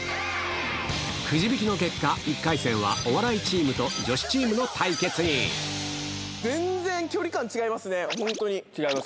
くじ引きの結果、１回戦は、お笑いチームと女子チームの対決全然距離感違いますね、違います？